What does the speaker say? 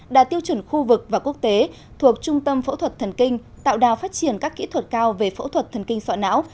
đạt tiêu chuẩn khu vực và quốc tế thuộc trung tâm phẫu thuật thần kinh tạo đà phát triển các kỹ thuật cao về phẫu thuật thần kinh soạn não